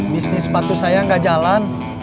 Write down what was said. pas ini sepatu saya gak jalan